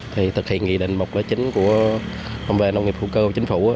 thì thực hiện nghị định một lý chính của phòng nông nghiệp hữu cơ của chính phủ